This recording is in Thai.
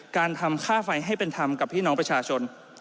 การทำค่าไฟให้เป็นธรรมกับพี่น้องประชาชน